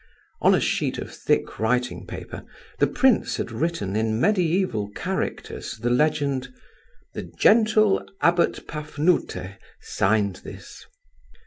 On a sheet of thick writing paper the prince had written in medieval characters the legend: "The gentle Abbot Pafnute signed this."